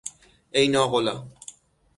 ای ناقلا!